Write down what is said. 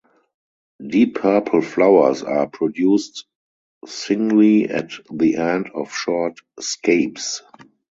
Deep purple flowers are produced singly at the end of short scapes.